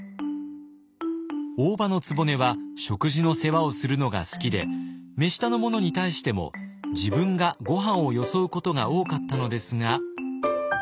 大姥局は食事の世話をするのが好きで目下の者に対しても自分がごはんをよそうことが多かったのですが。